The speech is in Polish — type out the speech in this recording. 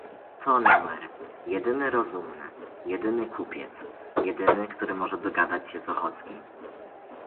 "To numer... „Jedyny rozumny... jedyny kupiec... jedyny, który może dogadać się z Ochockim?..."